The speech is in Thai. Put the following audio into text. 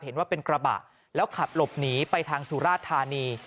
เห็นว่าเป็นกระบะแล้วขับหลบหนีไปทางสุราธานี